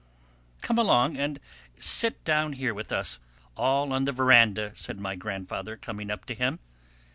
"Come along and sit down here with us all on the verandah," said my grandfather, coming up to him.